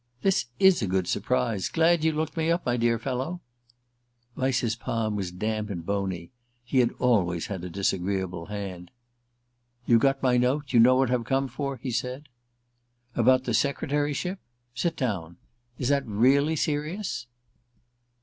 "This is a good surprise! Glad you looked me up, my dear fellow." Vyse's palm was damp and bony: he had always had a disagreeable hand. "You got my note? You know what I've come for?" he said. "About the secretaryship? (Sit down.) Is that really serious?"